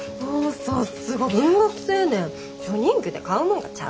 さすが文学青年初任給で買うもんがちゃうわ。